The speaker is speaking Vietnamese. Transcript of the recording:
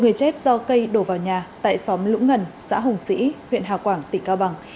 người chết do cây đổ vào nhà tại xóm lũng ngần xã hùng sĩ huyện hào quảng tỉnh cao bằng